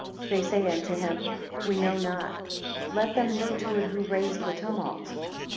2 They say unto him, We know not; let them look to it who raise the tumult.